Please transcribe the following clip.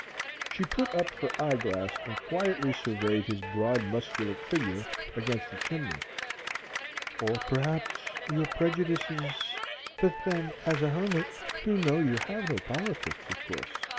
(She put up her eye glass and quietly surveyed his broad muscular figure against the chimney.) "Or, perhaps, your prejudices But then, as a hermit you know you have no politics, of course.